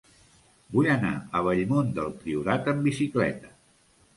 Vull anar a Bellmunt del Priorat amb bicicleta.